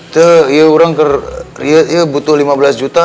tuh ya orang ke riat ya butuh lima belas juta